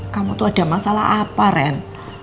kamu tuh ada masalah apa ren